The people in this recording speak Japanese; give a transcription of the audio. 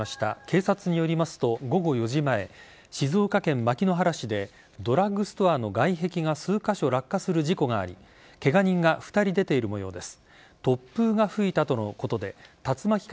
警察によりますと午後４時前静岡県牧之原市でドラッグストアの外壁が数カ所、落下する事故がありケガ人が２人出ているもようです。